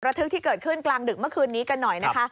ทึกที่เกิดขึ้นกลางดึกเมื่อคืนนี้กันหน่อยนะคะ